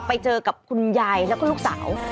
ไปเจอกับคุณยายแล้วก็ลูกสาว